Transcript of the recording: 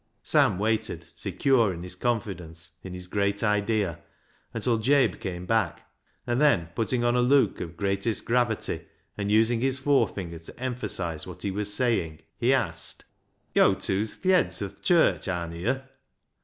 Sam waited, secure in his confidence in his great idea, until Jabe came back, and then putting on a look of greatest gravity, and using his forefinger to emphasise what he was saying, he asked — 400 BECKSIDE LIGHTS " Yo' tew's th' yeds o' th' church, arna yo' ?